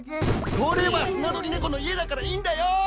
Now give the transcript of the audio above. それはスナドリネコの家だからいいんだよ！